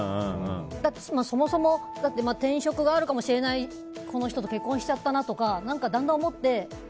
そもそも転職があるかもしれないこの人と結婚しちゃったなとか何かだんだん思って。